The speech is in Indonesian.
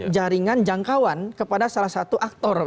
jaringan jangkauan kepada salah satu aktor